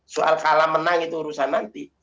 soal kalah menang itu urusan nanti